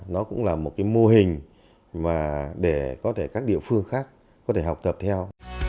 nó cũng là một cái mô hình mà để có thể các địa phương khác có thể học tập theo